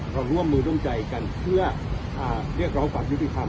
ร่วมมือร่วมใจกันเพื่อเรียกร้องความยุติธรรม